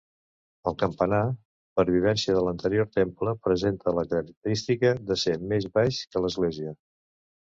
El campanar, pervivència de l'anterior temple, presenta la característica de ser més baix que l'església.